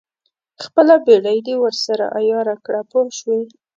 خپله بېړۍ دې ورسره عیاره کړه پوه شوې!.